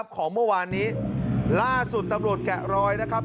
ของเมื่อวานนี้ล่าสุดตำรวจแกะรอยนะครับ